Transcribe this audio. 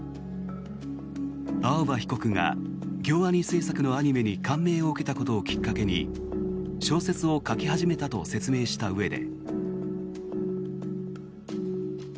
青葉被告が京アニ制作のアニメに感銘を受けたことをきっかけに小説を書き始めたと説明したうえで。